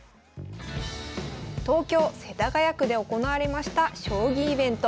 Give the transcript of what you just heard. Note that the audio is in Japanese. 東京・世田谷区で行われました将棋イベント。